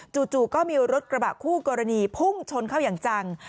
จู่ก็มีรถกระบะคู่กรณีพุ่งชนเข้าอย่างจัง